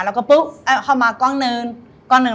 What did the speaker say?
แล้วก็ปุ๊บเข้ามากล้องหนึ่ง